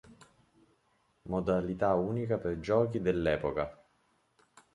Modalità unica per giochi dell'epoca.